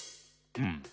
うん。